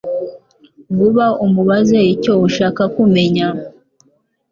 vuba umubaze icyo ushaka kumenya